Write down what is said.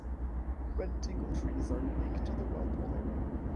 Red Tingle trees are unique to the Walpole area.